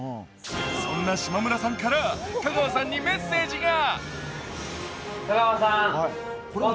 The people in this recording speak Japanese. そんな島村さんから香川さんにメッセージが。